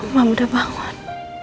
mama udah bangun